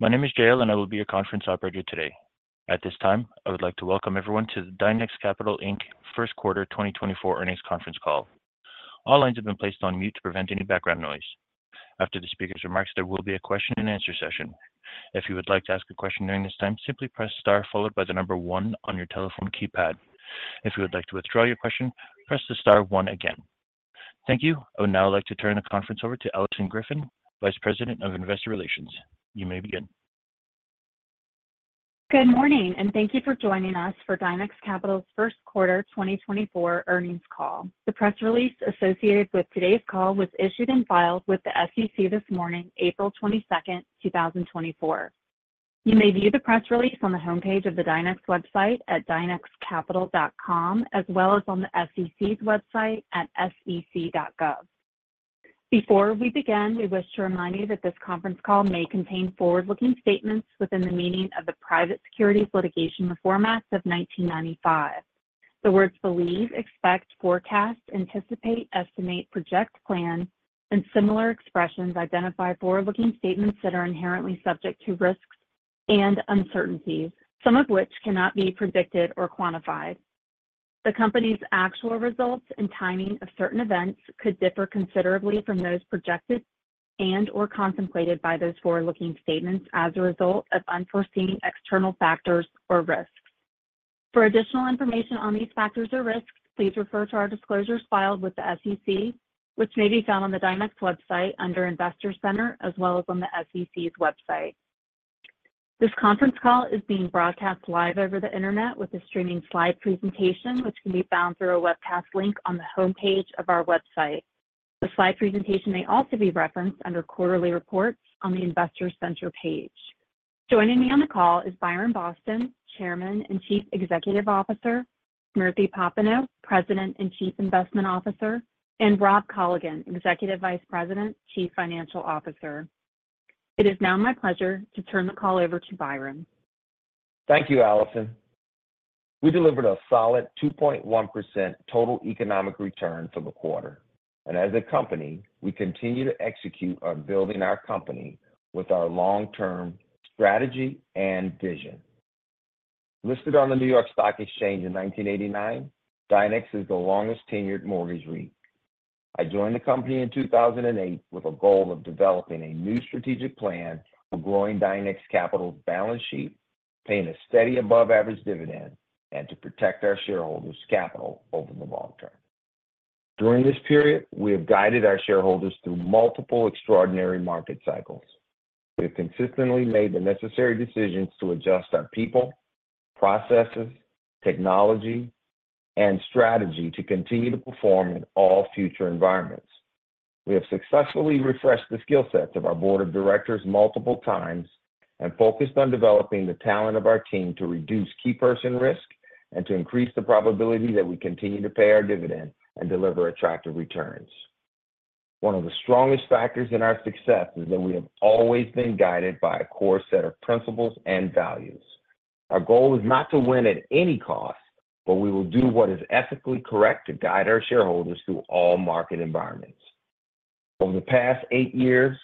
My name is Jael and I will be your conference operator today. At this time, I would like to welcome everyone to the Dynex Capital Inc. First Quarter 2024 Earnings Conference Call. All lines have been placed on mute to prevent any background noise. After the speaker's remarks, there will be a question and answer session. If you would like to ask a question during this time, simply press star followed by the number one on your telephone keypad. If you would like to withdraw your question, press the star one again. Thank you. I would now like to turn the conference over to Alison Griffin, Vice President of Investor Relations. You may begin. Good morning, and thank you for joining us for Dynex Capital's first quarter 2024 earnings call. The press release associated with today's call was issued and filed with the SEC this morning, April 22nd, 2024. You may view the press release on the homepage of the Dynex website at dynexcapital.com, as well as on the SEC's website at sec.gov. Before we begin, we wish to remind you that this conference call may contain forward-looking statements within the meaning of the Private Securities Litigation Reform Act of 1995. The words believe, expect, forecast, anticipate, estimate, project, plan, and similar expressions identify forward-looking statements that are inherently subject to risks and uncertainties, some of which cannot be predicted or quantified. The company's actual results and timing of certain events could differ considerably from those projected and/or contemplated by those forward-looking statements as a result of unforeseen external factors or risks. For additional information on these factors or risks, please refer to our disclosures filed with the SEC, which may be found on the Dynex website under Investor Center, as well as on the SEC's website. This conference call is being broadcast live over the Internet with a streaming slide presentation, which can be found through a webcast link on the homepage of our website. The slide presentation may also be referenced under Quarterly Reports on the Investor Center page. Joining me on the call is Byron Boston, Chairman and Chief Executive Officer, Smriti Popenoe, President and Chief Investment Officer, and Rob Colligan, Executive Vice President, Chief Financial Officer. It is now my pleasure to turn the call over to Byron. Thank you, Alison. We delivered a solid 2.1% total economic return for the quarter, and as a company, we continue to execute on building our company with our long-term strategy and vision. Listed on the New York Stock Exchange in 1989, Dynex is the longest-tenured mortgage REIT. I joined the company in 2008 with a goal of developing a new strategic plan for growing Dynex Capital's balance sheet, paying a steady above-average dividend, and to protect our shareholders' capital over the long term. During this period, we have guided our shareholders through multiple extraordinary market cycles. We have consistently made the necessary decisions to adjust our people, processes, technology, and strategy to continue to perform in all future environments. We have successfully refreshed the skill sets of our board of directors multiple times and focused on developing the talent of our team to reduce key person risk and to increase the probability that we continue to pay our dividend and deliver attractive returns. One of the strongest factors in our success is that we have always been guided by a core set of principles and values. Our goal is not to win at any cost, but we will do what is ethically correct to guide our shareholders through all market environments. Over the past eight years,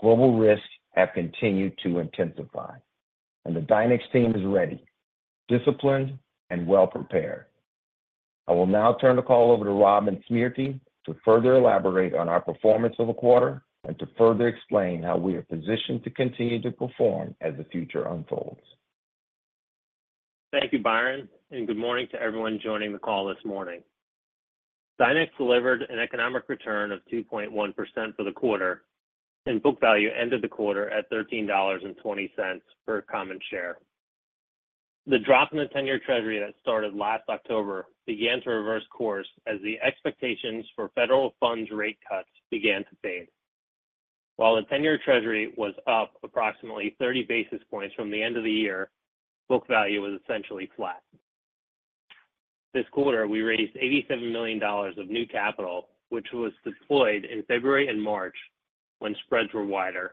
global risks have continued to intensify, and the Dynex team is ready, disciplined, and well-prepared. I will now turn the call over to Rob and Smriti to further elaborate on our performance for the quarter and to further explain how we are positioned to continue to perform as the future unfolds. Thank you, Byron, and good morning to everyone joining the call this morning. Dynex delivered an economic return of 2.1% for the quarter, and book value ended the quarter at $13.20 per common share. The drop in the 10-Year Treasury that started last October began to reverse course as the expectations for federal funds rate cuts began to fade. While the 10-Year Treasury was up approximately 30 basis points from the end of the year, book value was essentially flat. This quarter, we raised $87 million of new capital, which was deployed in February and March when spreads were wider.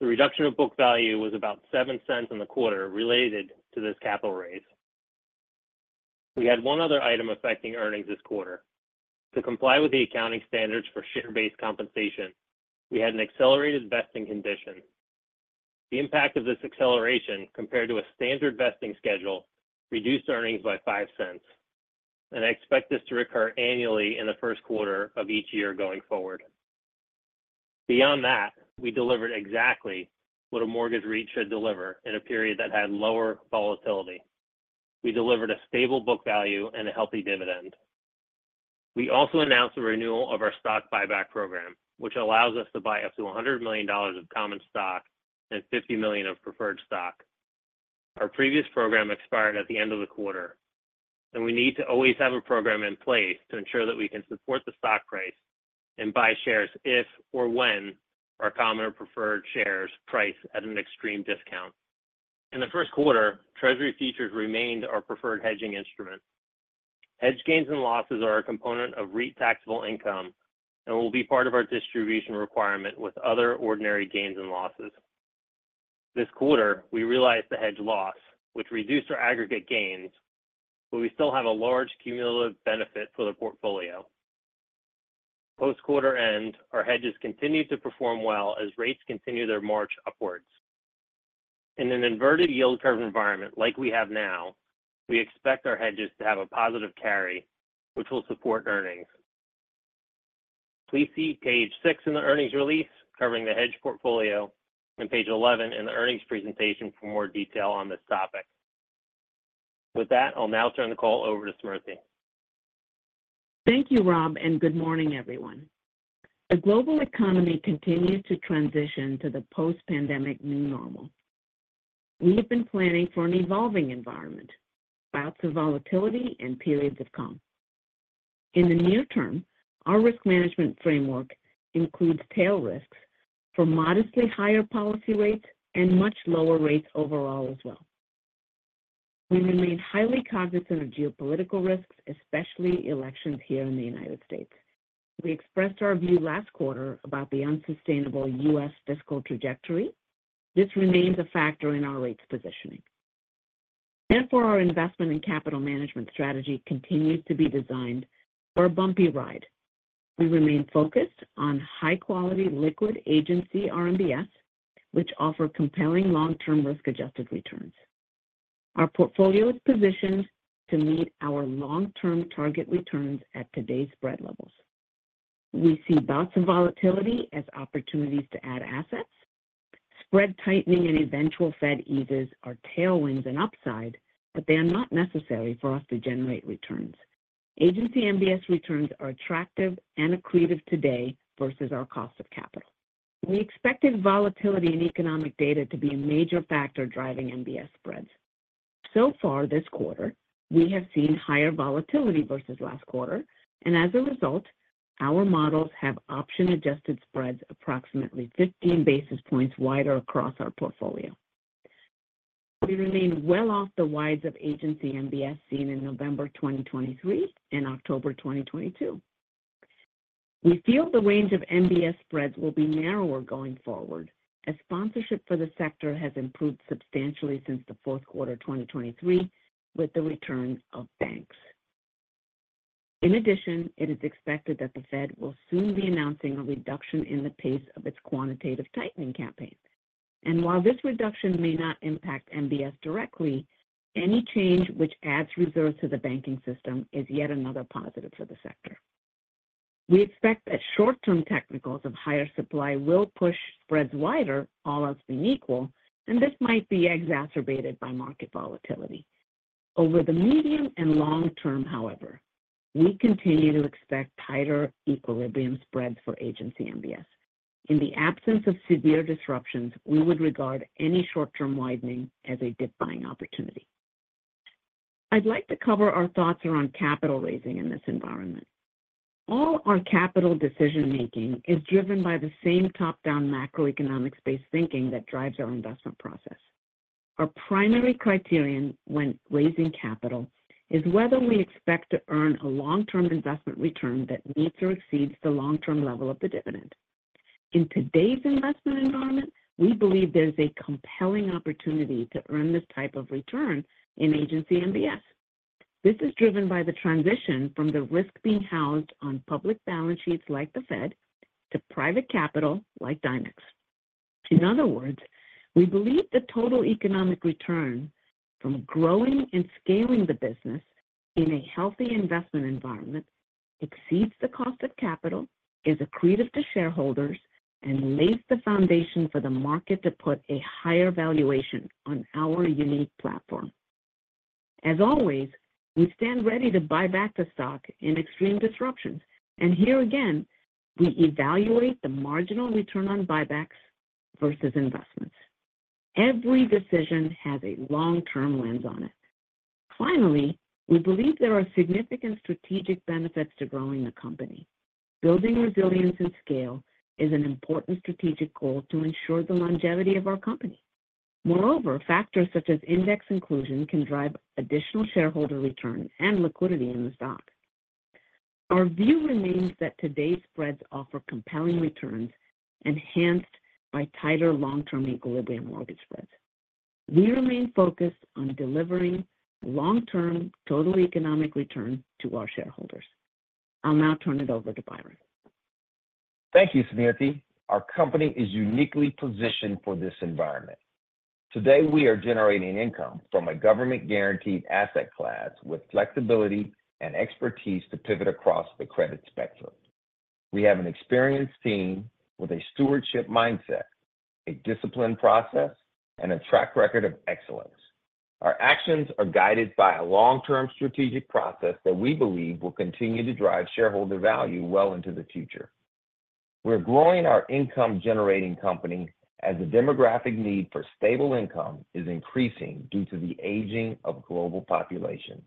The reduction of book value was about $0.07 in the quarter related to this capital raise. We had one other item affecting earnings this quarter. To comply with the accounting standards for share-based compensation, we had an accelerated vesting condition. The impact of this acceleration compared to a standard vesting schedule reduced earnings by $0.05, and I expect this to recur annually in the first quarter of each year going forward. Beyond that, we delivered exactly what a mortgage REIT should deliver in a period that had lower volatility. We delivered a stable book value and a healthy dividend. We also announced the renewal of our stock buyback program, which allows us to buy up to $100 million of common stock and $50 million of preferred stock. Our previous program expired at the end of the quarter, and we need to always have a program in place to ensure that we can support the stock price and buy shares if or when our common or preferred shares price at an extreme discount. In the first quarter, Treasury futures remained our preferred hedging instrument. Hedge gains and losses are a component of REIT taxable income and will be part of our distribution requirement with other ordinary gains and losses. This quarter, we realized the hedge loss, which reduced our aggregate gains, but we still have a large cumulative benefit for the portfolio.... Post quarter end, our hedges continued to perform well as rates continue their march upwards. In an inverted yield curve environment like we have now, we expect our hedges to have a positive carry, which will support earnings. Please see page 6 in the earnings release covering the hedge portfolio and Page 11 in the earnings presentation for more detail on this topic. With that, I'll now turn the call over to Smriti. Thank you, Rob, and good morning, everyone. The global economy continues to transition to the post-pandemic new normal. We have been planning for an evolving environment, bouts of volatility and periods of calm. In the near term, our risk management framework includes tail risks for modestly higher policy rates and much lower rates overall as well. We remain highly cognizant of geopolitical risks, especially elections here in the United States. We expressed our view last quarter about the unsustainable U.S. fiscal trajectory. This remains a factor in our rates positioning. Therefore, our investment and capital management strategy continues to be designed for a bumpy ride. We remain focused on high-quality, liquid Agency RMBS, which offer compelling long-term risk-adjusted returns. Our portfolio is positioned to meet our long-term target returns at today's spread levels. We see bouts of volatility as opportunities to add assets. Spread tightening and eventual Fed eases are tailwinds and upside, but they are not necessary for us to generate returns. Agency MBS returns are attractive and accretive today versus our cost of capital. We expected volatility in economic data to be a major factor driving MBS spreads. So far this quarter, we have seen higher volatility versus last quarter, and as a result, our models have option-adjusted spreads approximately 15 basis points wider across our portfolio. We remain well off the wides of Agency MBS seen in November 2023 and October 2022. We feel the range of MBS spreads will be narrower going forward, as sponsorship for the sector has improved substantially since the fourth quarter 2023 with the return of banks. In addition, it is expected that the Fed will soon be announcing a reduction in the pace of its quantitative tightening campaign. While this reduction may not impact MBS directly, any change which adds reserves to the banking system is yet another positive for the sector. We expect that short-term technicals of higher supply will push spreads wider, all else being equal, and this might be exacerbated by market volatility. Over the medium and long term, however, we continue to expect tighter equilibrium spreads for Agency MBS. In the absence of severe disruptions, we would regard any short-term widening as a dip buying opportunity. I'd like to cover our thoughts around capital raising in this environment. All our capital decision-making is driven by the same top-down, macroeconomic space thinking that drives our investment process. Our primary criterion when raising capital is whether we expect to earn a long-term investment return that meets or exceeds the long-term level of the dividend. In today's investment environment, we believe there's a compelling opportunity to earn this type of return in Agency MBS. This is driven by the transition from the risk being housed on public balance sheets like the Fed to private capital like Dynex. In other words, we believe the total economic return from growing and scaling the business in a healthy investment environment exceeds the cost of capital, is accretive to shareholders, and lays the foundation for the market to put a higher valuation on our unique platform. As always, we stand ready to buy back the stock in extreme disruptions, and here again, we evaluate the marginal return on buybacks versus investments. Every decision has a long-term lens on it. Finally, we believe there are significant strategic benefits to growing the company. Building resilience and scale is an important strategic goal to ensure the longevity of our company. Moreover, factors such as index inclusion can drive additional shareholder return and liquidity in the stock. Our view remains that today's spreads offer compelling returns, enhanced by tighter long-term equilibrium mortgage spreads. We remain focused on delivering long-term total economic return to our shareholders. I'll now turn it over to Byron. Thank you, Smriti. Our company is uniquely positioned for this environment. Today, we are generating income from a government-guaranteed asset class with flexibility and expertise to pivot across the credit spectrum. We have an experienced team with a stewardship mindset, a disciplined process, and a track record of excellence. Our actions are guided by a long-term strategic process that we believe will continue to drive shareholder value well into the future. We're growing our income-generating company as the demographic need for stable income is increasing due to the aging of global populations.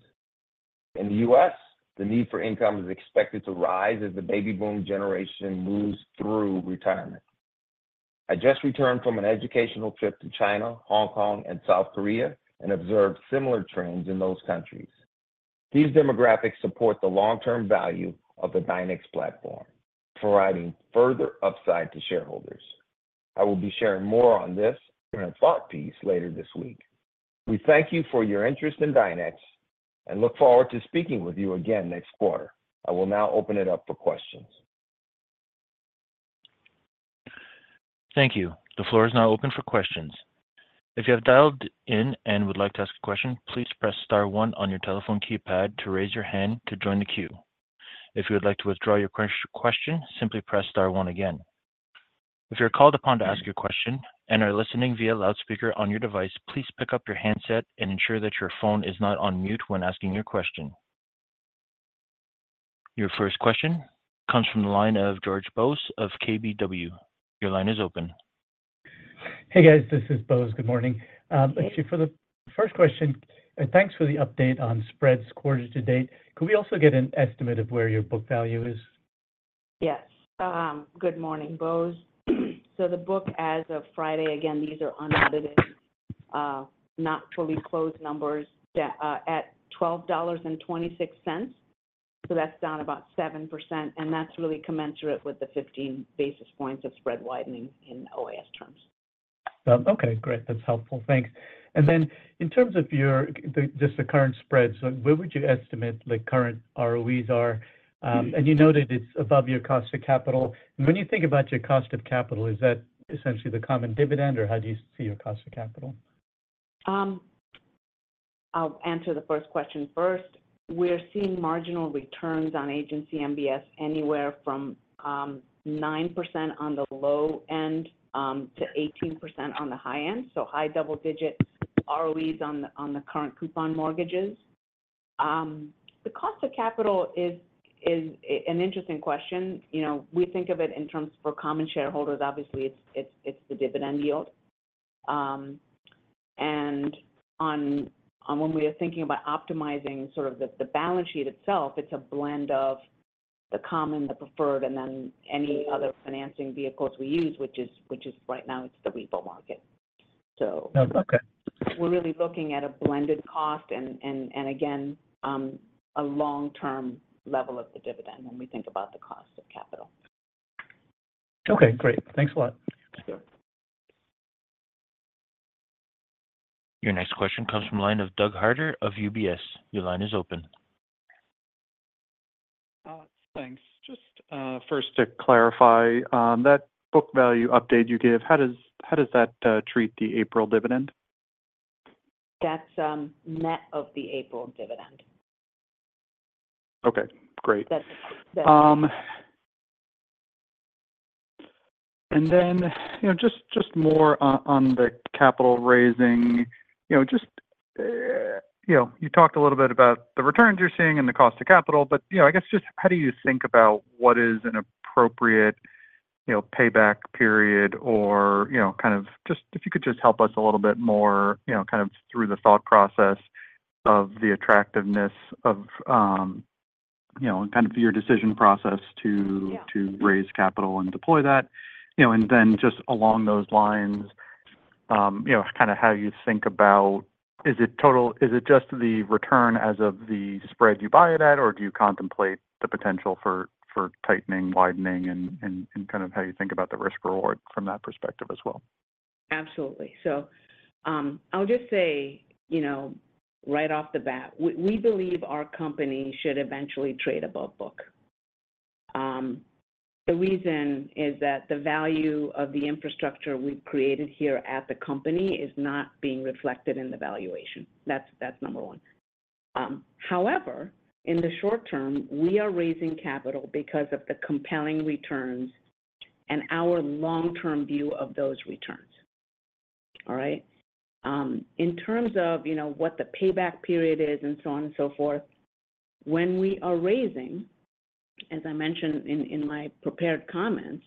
In the U.S., the need for income is expected to rise as the baby boom generation moves through retirement. I just returned from an educational trip to China, Hong Kong, and South Korea, and observed similar trends in those countries. These demographics support the long-term value of the Dynex platform, providing further upside to shareholders.... I will be sharing more on this in a thought piece later this week. We thank you for your interest in Dynex and look forward to speaking with you again next quarter. I will now open it up for questions. Thank you. The floor is now open for questions. If you have dialed in and would like to ask a question, please press star one on your telephone keypad to raise your hand to join the queue. If you would like to withdraw your question, simply press star one again. If you're called upon to ask your question and are listening via loudspeaker on your device, please pick up your handset and ensure that your phone is not on mute when asking your question. Your first question comes from the line of Bose George of KBW. Your line is open. Hey, guys, this is Bose. Good morning. Actually, for the first question, thanks for the update on spreads quarter to date. Could we also get an estimate of where your book value is? Yes. Good morning, Bose. So the book as of Friday, again, these are unaudited, not fully closed numbers, at $12.26. So that's down about 7%, and that's really commensurate with the 15 basis points of spread widening in OAS terms. Okay, great. That's helpful. Thanks. And then in terms of your current spreads, where would you estimate the current ROEs are? And you noted it's above your cost of capital. When you think about your cost of capital, is that essentially the common dividend, or how do you see your cost of capital? I'll answer the first question first. We're seeing marginal returns on Agency MBS, anywhere from 9% on the low end to 18% on the high end, so high double digits ROEs on the current coupon mortgages. The cost of capital is an interesting question. You know, we think of it in terms for common shareholders, obviously, it's the dividend yield. And on when we are thinking about optimizing sort of the balance sheet itself, it's a blend of the common, the preferred, and then any other financing vehicles we use, which is right now it's the repo market. So- Okay. We're really looking at a blended cost and again, a long-term level of the dividend when we think about the cost of capital. Okay, great. Thanks a lot. Sure. Your next question comes from the line of Doug Harter of UBS. Your line is open. Thanks. Just first to clarify that book value update you gave, how does that treat the April dividend? That's net of the April dividend. Okay, great. That's- And then, you know, just more on the capital raising. You know, just, you know, you talked a little bit about the returns you're seeing and the cost of capital, but, you know, I guess just how do you think about what is an appropriate, you know, payback period or, you know, kind of just if you could just help us a little bit more, you know, kind of through the thought process of the attractiveness of, you know, kind of your decision process to- Yeah... to raise capital and deploy that. You know, and then just along those lines, you know, kind of how you think about is it total— is it just the return as of the spread you buy it at, or do you contemplate the potential for tightening, widening, and kind of how you think about the risk reward from that perspective as well? Absolutely. I'll just say, you know, right off the bat, we, we believe our company should eventually trade above book. The reason is that the value of the infrastructure we've created here at the company is not being reflected in the valuation. That's, that's number one. However, in the short term, we are raising capital because of the compelling returns and our long-term view of those returns. All right? In terms of, you know, what the payback period is and so on and so forth, when we are raising, as I mentioned in, in my prepared comments,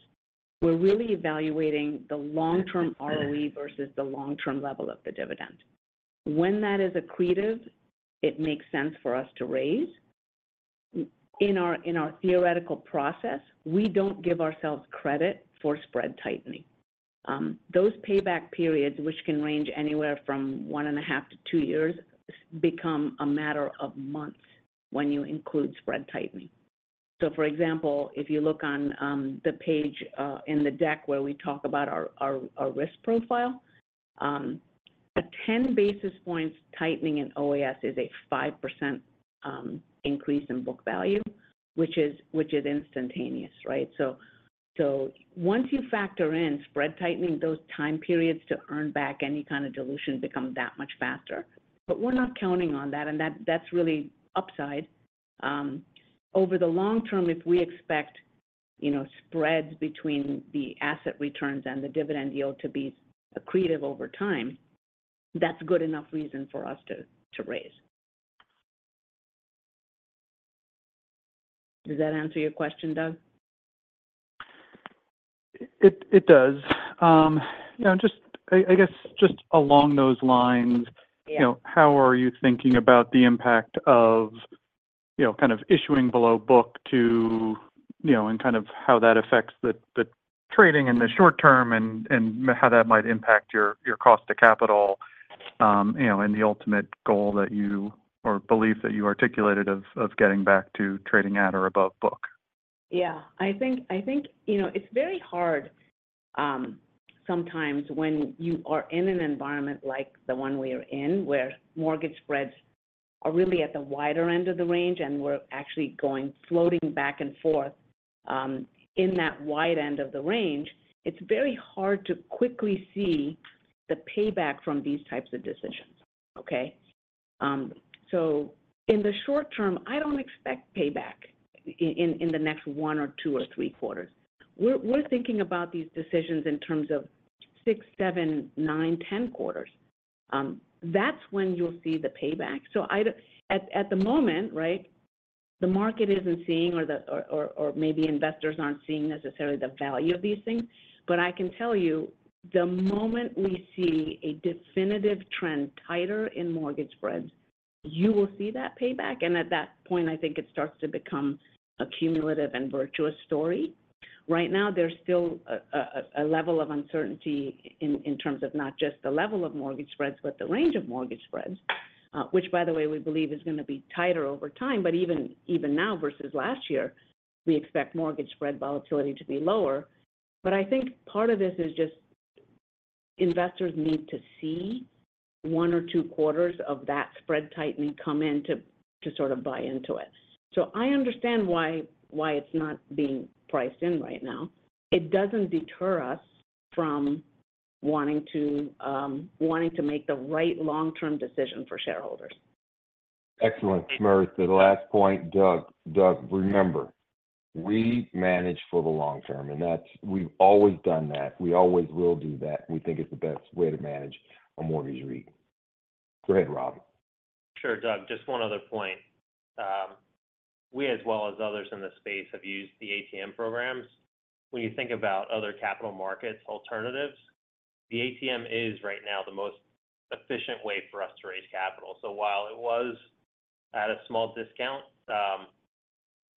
we're really evaluating the long-term ROE versus the long-term level of the dividend. When that is accretive, it makes sense for us to raise. In our, in our theoretical process, we don't give ourselves credit for spread tightening. Those payback periods, which can range anywhere from 1.5 years-2 years, become a matter of months when you include spread tightening. So for example, if you look on the page in the deck where we talk about our risk profile, a 10 basis points tightening in OAS is a 5% increase in book value, which is instantaneous, right? So once you factor in spread tightening, those time periods to earn back any kind of dilution become that much faster. But we're not counting on that, and that's really upside. Over the long term, if we expect, you know, spreads between the asset returns and the dividend yield to be accretive over time, that's good enough reason for us to raise. Does that answer your question, Doug? It does. You know, just I guess just along those lines- Yeah... you know, how are you thinking about the impact of, you know, kind of issuing below book to, you know, and kind of how that affects the trading in the short term and how that might impact your cost to capital?... you know, and the ultimate goal that you, or belief that you articulated of getting back to trading at or above book? Yeah. I think, you know, it's very hard sometimes when you are in an environment like the one we are in, where mortgage spreads are really at the wider end of the range, and we're actually going, floating back and forth in that wide end of the range, it's very hard to quickly see the payback from these types of decisions, okay? So in the short term, I don't expect payback in the next 1 quarter or 2 quarters or 3 quarters. We're thinking about these decisions in terms of 6 quarters, 7 quarters, 9 quarters, 10 quarters. That's when you'll see the payback. So I don't at the moment, right, the market isn't seeing or maybe investors aren't seeing necessarily the value of these things, but I can tell you, the moment we see a definitive trend tighter in mortgage spreads, you will see that payback, and at that point, I think it starts to become a cumulative and virtuous story. Right now, there's still a level of uncertainty in terms of not just the level of mortgage spreads, but the range of mortgage spreads, which, by the way, we believe is gonna be tighter over time, but even now versus last year, we expect mortgage spread volatility to be lower. But I think part of this is just investors need to see one or two quarters of that spread tightening come in to sort of buy into it. So I understand why it's not being priced in right now. It doesn't deter us from wanting to make the right long-term decision for shareholders. Excellent, Smriti. The last point, Doug. Doug, remember, we manage for the long term, and that's—we've always done that. We always will do that. We think it's the best way to manage a mortgage REIT. Go ahead, Rob. Sure, Doug. Just one other point. We, as well as others in the space, have used the ATM programs. When you think about other capital markets alternatives, the ATM is right now the most efficient way for us to raise capital. So while it was at a small discount,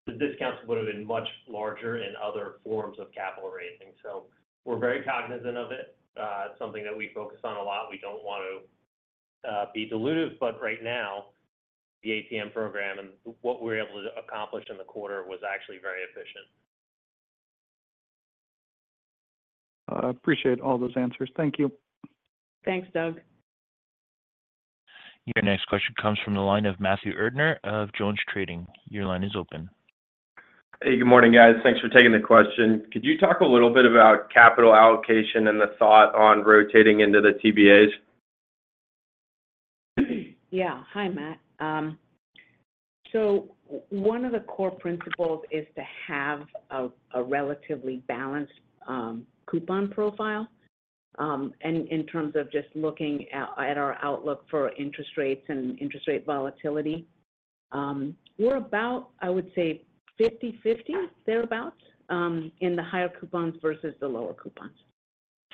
the discounts would have been much larger in other forms of capital raising. So we're very cognizant of it. It's something that we focus on a lot. We don't want to be dilutive, but right now, the ATM program and what we were able to accomplish in the quarter was actually very efficient. I appreciate all those answers. Thank you. Thanks, Doug. Your next question comes from the line of Matthew Erdner of JonesTrading. Your line is open. Hey, good morning, guys. Thanks for taking the question. Could you talk a little bit about capital allocation and the thought on rotating into the TBAs? Yeah. Hi, Matt. So one of the core principles is to have a relatively balanced coupon profile. And in terms of just looking at our outlook for interest rates and interest rate volatility, we're about, I would say, 50/50, thereabout, in the higher coupons versus the lower coupons.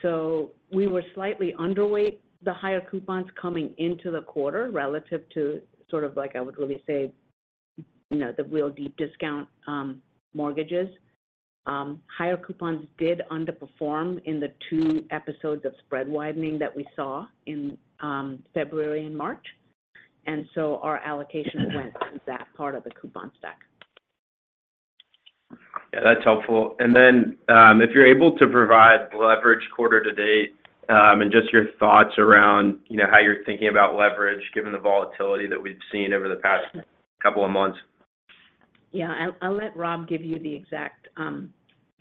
So we were slightly underweight the higher coupons coming into the quarter relative to sort of like, I would really say, you know, the real deep discount mortgages. Higher coupons did underperform in the two episodes of spread widening that we saw in February and March, and so our allocation went to that part of the coupon stack. Yeah, that's helpful. And then, if you're able to provide leverage quarter to date, and just your thoughts around, you know, how you're thinking about leverage, given the volatility that we've seen over the past couple of months. Yeah. I'll let Rob give you the exact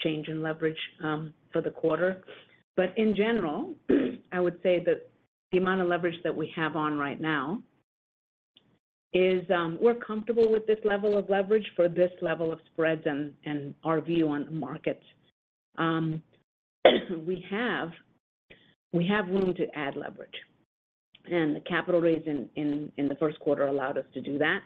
change in leverage for the quarter. But in general, I would say that the amount of leverage that we have on right now is... we're comfortable with this level of leverage for this level of spreads and our view on markets. We have room to add leverage, and the capital raise in the first quarter allowed us to do that.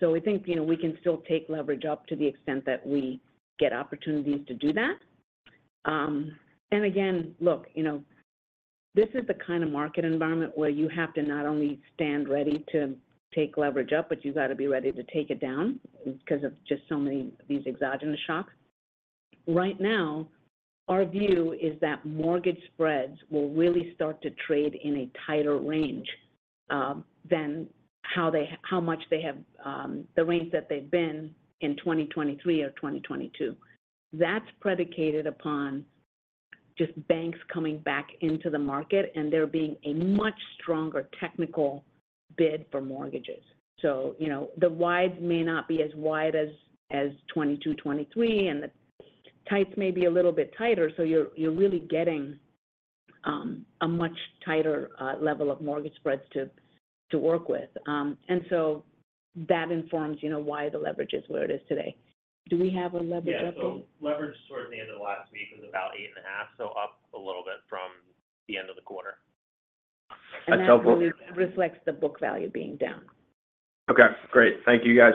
So we think, you know, we can still take leverage up to the extent that we get opportunities to do that. And again, look, you know, this is the kind of market environment where you have to not only stand ready to take leverage up, but you've got to be ready to take it down because of just so many of these exogenous shocks. Right now, our view is that mortgage spreads will really start to trade in a tighter range than how much they have the range that they've been in 2023 or 2022. That's predicated upon just banks coming back into the market, and there being a much stronger technical bid for mortgages. So, you know, the wides may not be as wide as 2022, 2023, and the tights may be a little bit tighter, so you're really getting a much tighter level of mortgage spreads to work with. And so that informs, you know, why the leverage is where it is today. Do we have a leverage up, though? Yeah, so leverage towards the end of last week was about 8.5, so up a little bit from the end of the quarter. That's helpful- That really reflects the book value being down. Okay, great. Thank you, guys.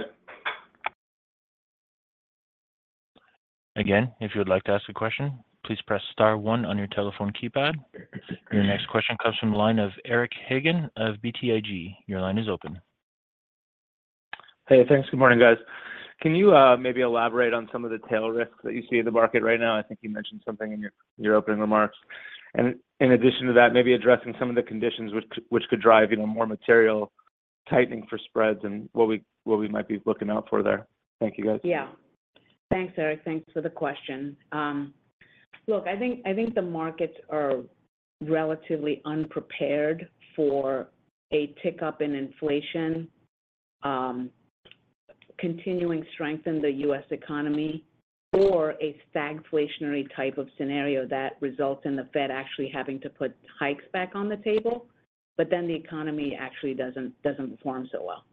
Again, if you would like to ask a question, please press star one on your telephone keypad. Your next question comes from the line of Eric Hagen of BTIG. Your line is open.... Hey, thanks. Good morning, guys. Can you maybe elaborate on some of the tail risks that you see in the market right now? I think you mentioned something in your opening remarks. And in addition to that, maybe addressing some of the conditions which could drive, you know, more material tightening for spreads and what we might be looking out for there. Thank you, guys. Yeah. Thanks, Eric. Thanks for the question. Look, I think the markets are relatively unprepared for a tick-up in inflation, continuing strength in the U.S. economy or a stagflationary type of scenario that results in the Fed actually having to put hikes back on the table, but then the economy actually doesn't perform so well.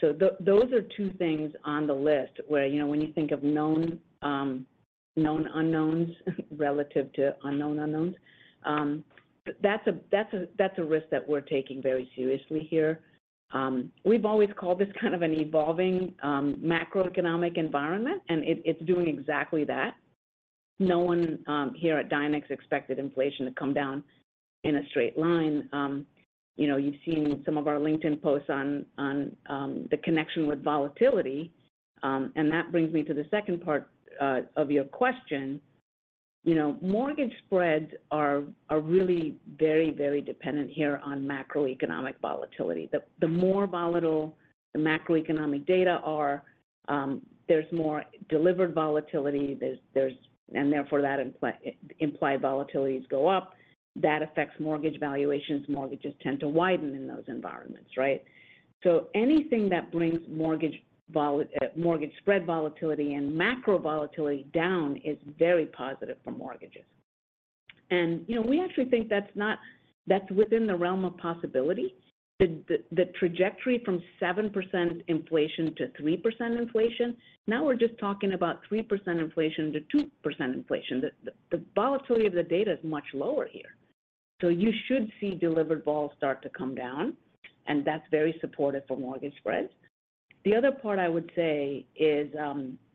So those are two things on the list where, you know, when you think of known unknowns, relative to unknown unknowns, that's a risk that we're taking very seriously here. We've always called this kind of an evolving macroeconomic environment, and it's doing exactly that. No one here at Dynex expected inflation to come down in a straight line. You know, you've seen some of our LinkedIn posts on the connection with volatility. And that brings me to the second part of your question. You know, mortgage spreads are really very, very dependent here on macroeconomic volatility. The more volatile the macroeconomic data are, there's more delivered volatility. There's and therefore, implied volatilities go up. That affects mortgage valuations. Mortgages tend to widen in those environments, right? So anything that brings mortgage spread volatility and macro volatility down is very positive for mortgages. And, you know, we actually think that's within the realm of possibility. The trajectory from 7% inflation-3% inflation, now we're just talking about 3% inflation-2% inflation. The volatility of the data is much lower here. So you should see delivered vol start to come down, and that's very supportive for mortgage spreads. The other part I would say is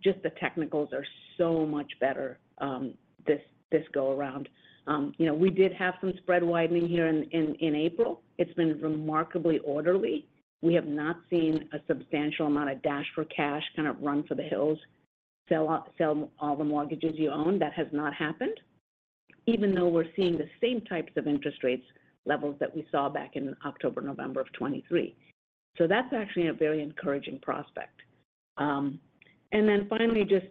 just the technicals are so much better, this go around. You know, we did have some spread widening here in April. It's been remarkably orderly. We have not seen a substantial amount of dash for cash, kind of, run for the hills, sell all, sell all the mortgages you own. That has not happened, even though we're seeing the same types of interest rates levels that we saw back in October, November of 2023. So that's actually a very encouraging prospect. And then finally, just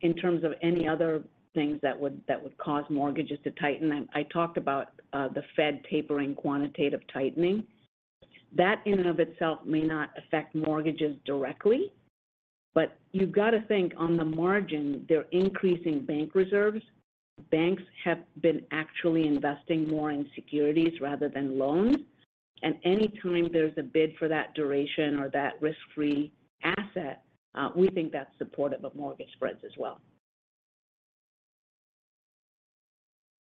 in terms of any other things that would cause mortgages to tighten, I talked about the Fed tapering quantitative tightening. That, in and of itself, may not affect mortgages directly, but you've got to think on the margin, they're increasing bank reserves. Banks have been actually investing more in securities rather than loans, and any time there's a bid for that duration or that risk-free asset, we think that's supportive of mortgage spreads as well.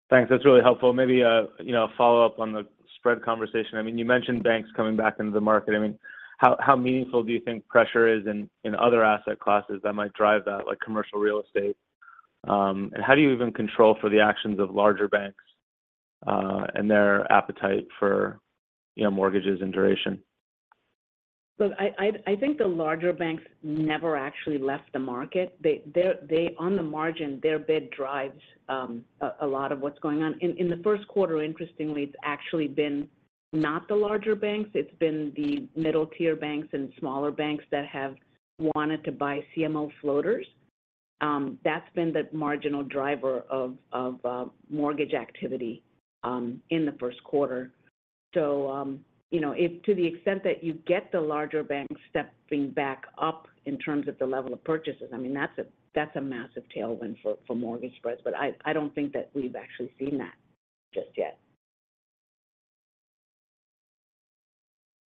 Thanks. That's really helpful. Maybe, you know, a follow-up on the spread conversation. I mean, you mentioned banks coming back into the market. I mean, how meaningful do you think pressure is in other asset classes that might drive that, like commercial real estate? And how do you even control for the actions of larger banks and their appetite for, you know, mortgages and duration? Look, I think the larger banks never actually left the market. They're on the margin, their bid drives a lot of what's going on. In the first quarter, interestingly, it's actually been not the larger banks, it's been the middle-tier banks and smaller banks that have wanted to buy CMO floaters. That's been the marginal driver of mortgage activity in the first quarter. So, you know, if to the extent that you get the larger banks stepping back up in terms of the level of purchases, I mean, that's a massive tailwind for mortgage spreads, but I don't think that we've actually seen that just yet.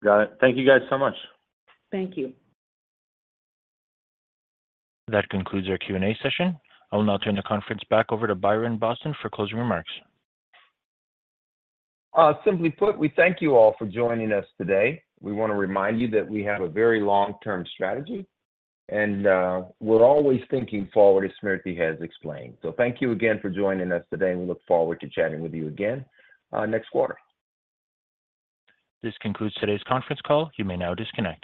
Got it. Thank you, guys, so much. Thank you. That concludes our Q&A session. I will now turn the conference back over to Byron Boston for closing remarks. Simply put, we thank you all for joining us today. We want to remind you that we have a very long-term strategy, and we're always thinking forward, as Smriti has explained. So thank you again for joining us today, and we look forward to chatting with you again, next quarter. This concludes today's conference call. You may now disconnect.